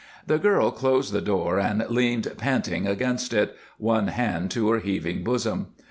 The girl closed the door and leaned panting against it, one hand to her heaving bosom.